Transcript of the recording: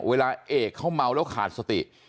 เอกเขาเมาแล้วขาดสติ